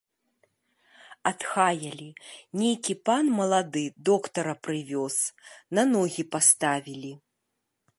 Адхаялі, нейкі пан малады доктара прывёз, на ногі паставілі.